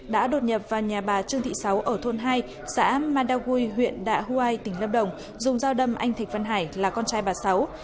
đã đột nhập vào nhà bà trương thị sáu ở thôn hai xã madawui huyện đạ huai tỉnh lâm đồng dùng dao đâm anh thịch văn hải là con trai bà sáu